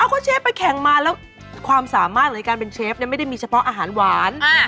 ก็เชฟไปแข่งมาแล้วความสามารถในการเป็นเชฟไม่ได้มีเฉพาะอาหารหวาน